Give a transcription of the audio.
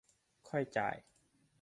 ค่อยจ่าย